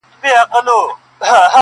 په قېمت لکه سېپۍ او مرغلري.!